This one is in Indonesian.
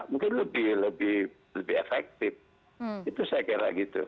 mungkin lebih efektif itu saya kira gitu